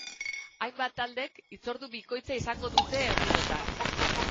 Hainbat taldek hitzordu bikoitza izango dute egunotan.